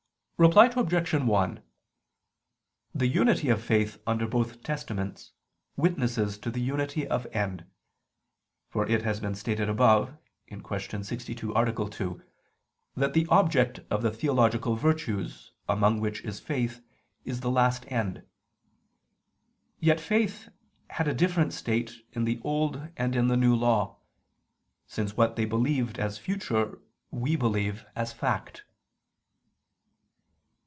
Reply Obj. 1: The unity of faith under both Testaments witnesses to the unity of end: for it has been stated above (Q. 62, A. 2) that the object of the theological virtues, among which is faith, is the last end. Yet faith had a different state in the Old and in the New Law: since what they believed as future, we believe as fact.